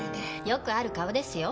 よくある顔ですよ。